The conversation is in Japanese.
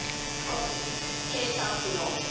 告計算不能。